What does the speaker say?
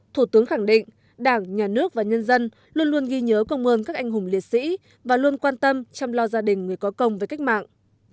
thủ tướng khẳng định đảng nhà nước và nhân dân luôn luôn ghi nhớ công ơn các anh hùng liệt sĩ và luôn quan tâm chăm lo gia đình người có công với cách mạng